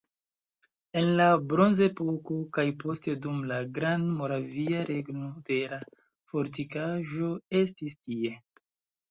En la bronzepoko kaj poste dum la Grandmoravia Regno tera fortikaĵo estis tie.